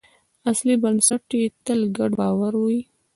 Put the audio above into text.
اصلي بنسټ یې تل ګډ باور وي.